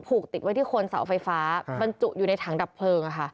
ติดไว้ที่โคนเสาไฟฟ้าบรรจุอยู่ในถังดับเพลิง